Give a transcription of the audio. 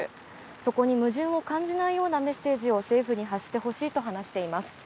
そこに矛盾を感じないようなメッセージを政府に発してほしいと話しています。